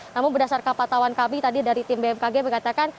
namun berdasarkan patauan kami tadi dari tim bmkg mengatakan